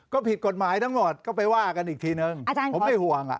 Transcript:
ก็ผิดกฎหมายทั้งหมดก็ไปว่ากันอีกทีนึงผมไม่ห่วงอ่ะ